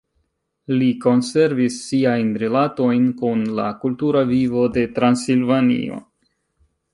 Li konservis siajn rilatojn kun la kultura vivo de Transilvanio.